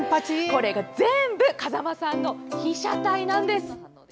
これが全部風間さんの被写体なんです。